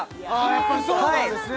やっぱりそうなんですね